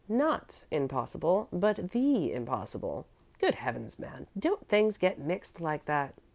"Not impossible, but THE impossible. Good Heavens, man, don't things get mixed like that!